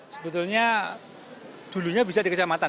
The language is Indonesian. sebetulnya dulunya bisa di kecamatan